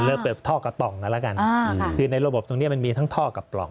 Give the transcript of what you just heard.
เริ่มเปิดท่อกระป๋องกันแล้วกันคือในระบบตรงนี้มันมีทั้งท่อกับปล่อง